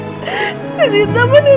selama ini hidupku dibutahkan dengan dendam